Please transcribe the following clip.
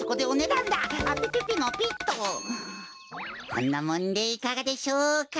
こんなもんでいかがでしょうか？